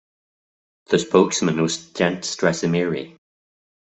The spokesman was Gent Strazimiri.